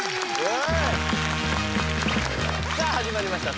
さあ始まりました